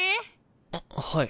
あっはい。